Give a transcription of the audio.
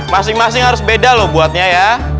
masing masing harus beda loh buatnya ya